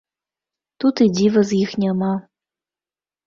Тут і дзіва з іх няма.